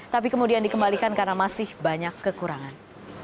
tapi kemudian dikembalikan karena masih banyak kekurangan